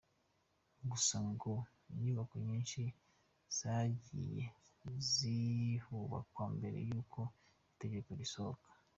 Gusa ngo inyubako nyinshi zagiye zihubakwa mbere y’uko iryo tegeko risohoka.